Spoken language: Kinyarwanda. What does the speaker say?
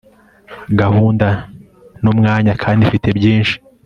gahunda nu mwanya kandi mfite byinshi